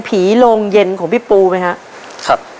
ผีโรงเย็นของพี่ปูไหมครับ